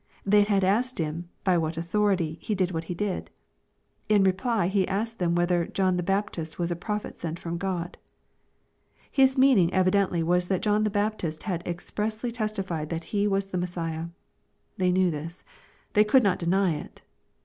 They had asked Him "by what authority," He did what He did. In reply, He asked them whether " John the Baptist was a prophet sent from God." His meaning evidently was that John the Baptist had expressly testified that He was the Messiah. They knew this. They could not deny it.